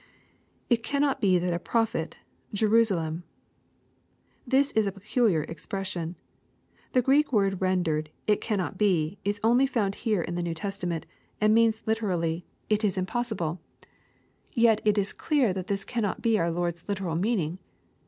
[It cannot be that a prophets Jerusalem.'] This is a peculiar expression. The Greek word rendered " it cannot be," is only found here in the New Testament, and means literally " it is im 144 EXrOSITOBY THOUGHTS. possible." Yet it is clear that this cannot be our Lord's literal meaning.